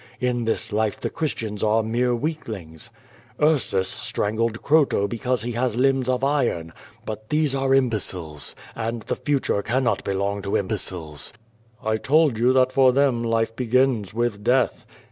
In this life the Chris tians are mere weaklings. Ursus stnnigled Croto because he has limbs of iron, but these are imbeciles, and the future can not belong to imlwcik^s." "I told you that for them life l>egins with death."